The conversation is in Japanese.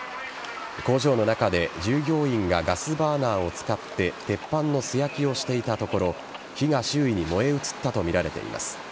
工場の中で従業員がガスバーナーを使って鉄板の素焼きをしていたところ火が周囲に燃え移ったとみられています。